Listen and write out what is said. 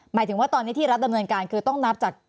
หมายถึงว่าตอนนี้ที่รัฐดำเนินการคือต้องนับจาก